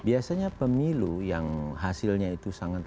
biasanya pemilu yang hasilnya itu sangat